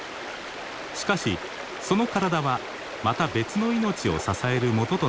しかしその体はまた別の命を支えるもととなります。